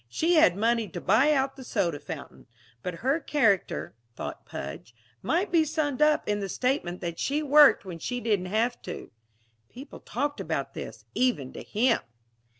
She had money to buy out the soda fountain. But her character, thought Pudge, might be summed up in the statement that she worked when she didn't have to (people talked about this; even to him!)